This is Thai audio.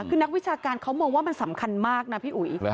คือนักวิชาการเขามองว่ามันสำคัญมากนะพี่อุ๋ย